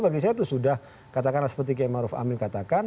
dua ratus dua belas bagi saya itu sudah katakanlah seperti k h maruf amin katakan